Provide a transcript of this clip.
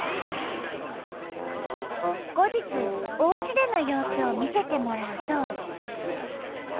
後日おうちでの様子を見せてもらうと。